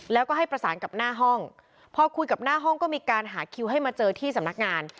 แล้วก็ให้ประสานกับหน้าห้องพอคุยกับหน้าห้องก็มีการหาคิวให้มาเจอที่สำนักงาน